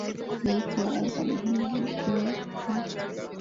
kudai kuwa adhabu hiyo haikuwa ya kweli